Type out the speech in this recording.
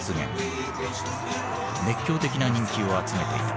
熱狂的な人気を集めていた。